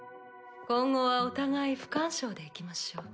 今後はお互い不干渉でいきましょう。